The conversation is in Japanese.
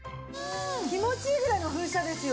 気持ちいいぐらいの噴射ですよね。